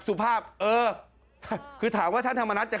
สนิทกับพี่เล็กส์วาสนานาน่วมชมบรรยากาศ